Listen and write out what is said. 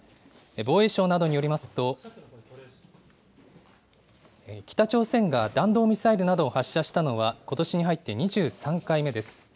防衛省などによりますと、北朝鮮が弾道ミサイルなどを発射したのはことしに入って２３回目です。